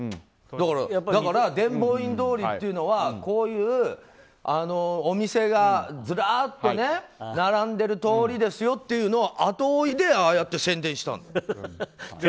だから伝法院通りっていうのはこういうお店がずらっと並んでる通りですよっていうのを後追いでああやって宣伝したんでしょ。